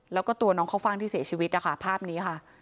แล้วก็ตัวน้องเข้าฟ่างที่เสียชีวิตนะคะภาพนี้ค่ะ